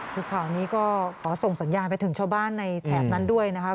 คือข่าวนี้ก็ขอส่งสัญญาณไปถึงชาวบ้านในแถบนั้นด้วยนะคะ